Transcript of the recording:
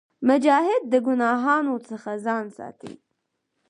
مجاهد د ګناهونو څخه ځان ساتي.